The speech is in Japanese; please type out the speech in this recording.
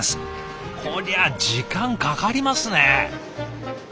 こりゃ時間かかりますね。